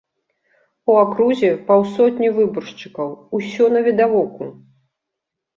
У акрузе паўсотні выбаршчыкаў, усё навідавоку!